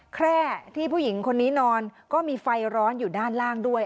แคร่ที่ผู้หญิงคนนี้นอนก็มีไฟร้อนอยู่ด้านล่างด้วย